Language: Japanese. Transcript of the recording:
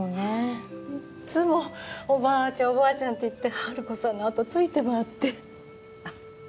いっつも「おばあちゃんおばあちゃん」って言って治子さんのあとついてまわって。